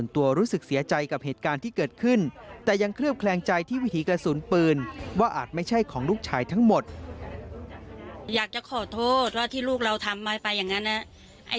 ถ้าลูกเราทำมาไปอย่างนั้น